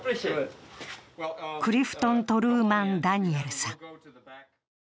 クリフトン・トルーマン・ダニエルさん。